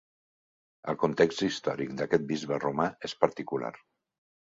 El context històric d'aquest bisbe romà és particular.